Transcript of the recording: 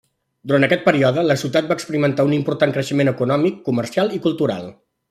Durant aquest període, la ciutat va experimentar un important creixement econòmic, comercial i cultural.